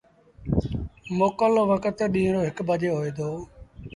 موڪل رو وکت ڏيٚݩهݩ رو هڪ بجي هوئي دو۔